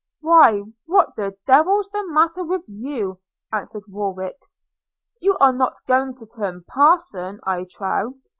'Why, what the devil's the matter with you?' answered Warwick; 'you are not going to turn parson, I trow?